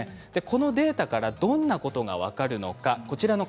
このデータからどんなことが分かるのか。